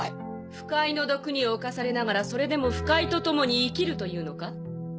腐海の毒に侵されながらそれでも腐海と共に生きるというのか？